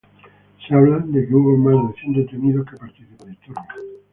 Se habla de que hubo más de cien detenidos que participaron en los disturbios.